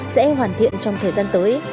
sẽ hoàn thiện trong thời gian tới